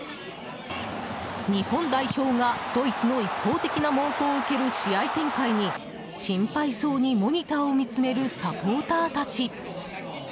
日本代表がドイツの一方的な猛攻を受ける試合展開に心配そうにモニターを見つめるサポーターたち。